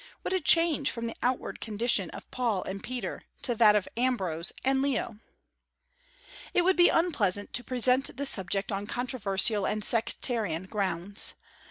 What a change from the outward condition of Paul and Peter to that of Ambrose and Leo! It would be unpleasant to present this subject on controversial and sectarian grounds.